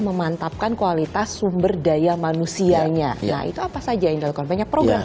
memantapkan kualitas sumber daya manusianya nah itu apa saja yang dilakukan banyak program